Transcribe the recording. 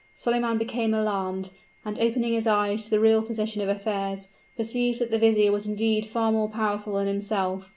Solyman became alarmed; and, opening his eyes to the real position of affairs, perceived that the vizier was indeed far more powerful than himself.